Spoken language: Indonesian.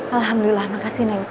alhamdulillah makasih neng